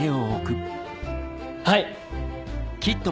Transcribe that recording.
はい！